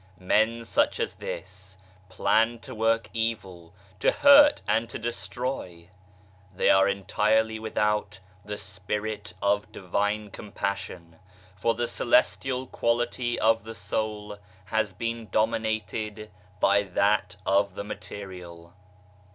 Men such as this, plan to work evil, to hurt and to destroy ; they are entirely without the Spirit of Divine Compassion, for the celestial quality of the soul has been dominated by that of the Material.